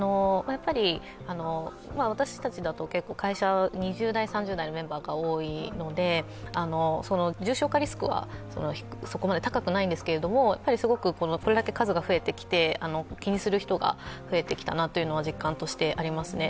私たちだと結構、会社は２０代、３０代のメンバーが多いので、重症化リスクはそこまで高くないんですけれども、すごくこれだけ数が増えてきて気にする人が増えてきたなというのは、実感としてありますね。